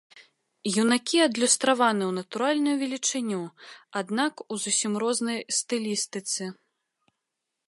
Юнакі адлюстраваны ў натуральную велічыню, аднак у зусім рознай стылістыцы.